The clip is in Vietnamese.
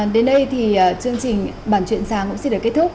đến đây thì chương trình bản chuyện sáng cũng xin được kết thúc